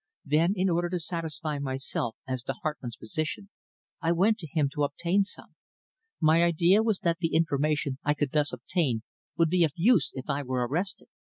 Then, in order to satisfy myself as to Hartmann's position, I went to him to obtain some. My idea was that the information I could thus obtain would be of use if I were arrested.